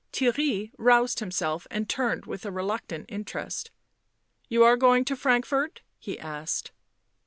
Theirry roused himself and turned with a reluctant interest. " You are going to Frankfort?" he asked.